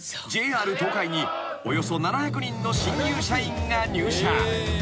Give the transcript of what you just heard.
ＪＲ東海におよそ７００人の新入社員が入社］